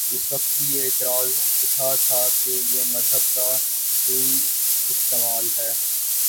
اس وقت بھی یہ اعتراض اٹھا تھاکہ یہ مذہب کا سوئ استعمال ہے۔